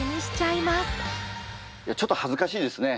いやちょっと恥ずかしいですね。